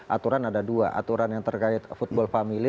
aturan ada dua aturan yang terkait football family